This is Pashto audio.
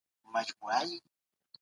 حقوقپوهان په بهرني سیاست کي څه لټوي؟